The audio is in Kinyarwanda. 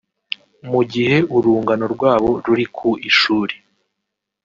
mu gihe urungano rwabo ruri ku ishuri